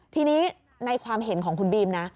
ทีนี้ในความเห็นของคุณบีมนะ